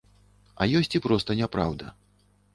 А ёсць і проста няпраўда.